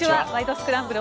スクランブル」